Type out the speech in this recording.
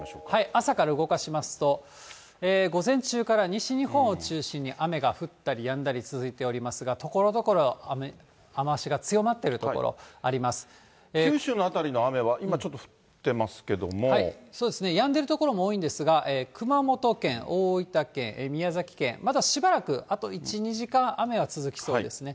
朝から動かしますと、午前中から西日本を中心に雨が降ったりやんだり続いておりますが、ところどころ、雨足が強まっている所九州の辺りの雨は今、そうですね、やんでる所も多いんですが、熊本県、大分県、宮崎県、まだしばらく、あと１、２時間、雨は続きそうですね。